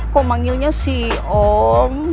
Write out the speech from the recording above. kok manggilnya si om